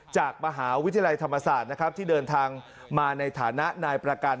จากมหาวิทยาลัยธรรมศาสตร์นะครับที่เดินทางมาในฐานะนายประกัน